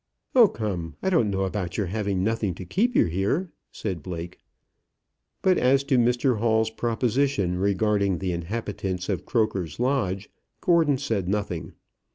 "Oh, come! I don't know about your having nothing to keep you here," said Blake. But as to Mr Hall's proposition regarding the inhabitants of Croker's Lodge, Gordon said nothing.